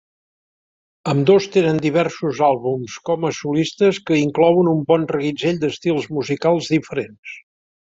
Ambdós tenen diversos àlbums com a solistes que inclouen un bon reguitzell d'estils musicals diferents.